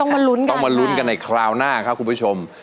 คุณผู้ชมมาลุ้นกันในคราวหน้าครับ